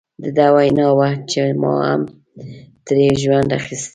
د ده وینا وه چې ما هم ترې ژوند اخیستی.